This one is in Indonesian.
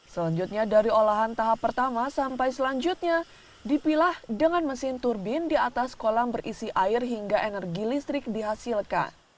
selanjutnya dari olahan tahap pertama sampai selanjutnya dipilah dengan mesin turbin di atas kolam berisi air hingga energi listrik dihasilkan